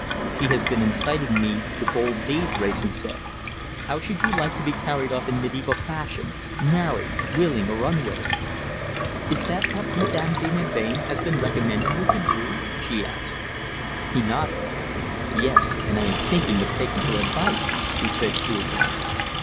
"She has been inciting me to bold deeds," Wrayson said. "How should you like to be carried off in mediaeval fashion married, willing or unwilling?" "Is that what Madame de Melbain has been recommending you to do?" she asked. He nodded. "Yes! And I am thinking of taking her advice," he said coolly.